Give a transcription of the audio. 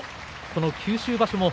この九州場所